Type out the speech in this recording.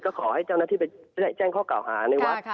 ก็ให้เจ้าน้าที่ไปแจ้งข้าวเก่าหาในวัฒน์